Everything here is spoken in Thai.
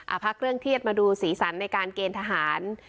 พักเรื่องเครียดมาดูสีสันในการเกณฑ์ทหาร